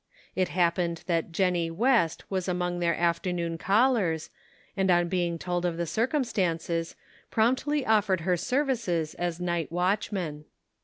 It happened that Jennie West was among their afternoon callers, and on being told of the circumstances, promptly offered her services as night watchman.